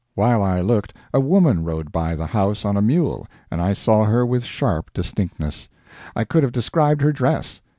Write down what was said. While I looked, a woman rode by the house on a mule, and I saw her with sharp distinctness; I could have described her dress.